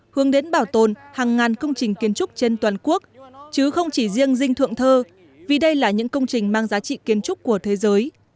hướng đến bảo tồn hàng ngàn công trình kiến trúc trên toàn quốc chứ không chỉ riêng dinh thượng thơ vì đây là những công trình mang giá trị kiến trúc của thế giới